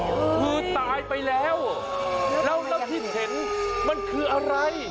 คือตายไปแล้วแล้วที่เห็นมันคืออะไร